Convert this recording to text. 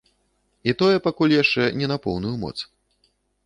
І тое пакуль яшчэ не на поўную моц.